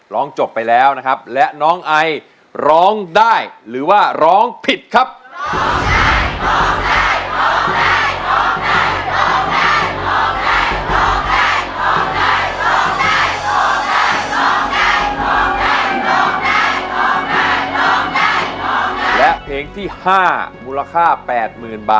ร้องจบไปแล้วนะครับและน้องไอร้องได้หรือว่าร้องผิดครับ